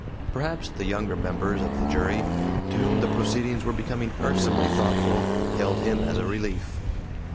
Perhaps the younger members of the jury, to whom the proceedings were becoming irksomely thoughtful, hailed him as a relief.